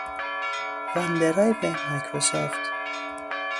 وان درایو مایکروسافت